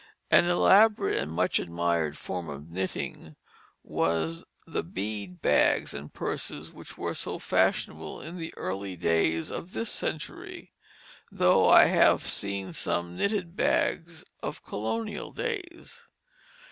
An elaborate and much admired form of knitting was the bead bags and purses which were so fashionable in the early years of this century, though I have seen some knitted bags of colonial days.